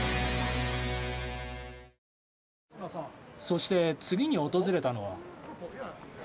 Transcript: そして、次に訪れたのは。